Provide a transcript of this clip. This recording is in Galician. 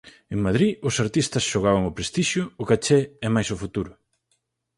En Madrid, os artistas xogaban o prestixio, o caché e máis o futuro.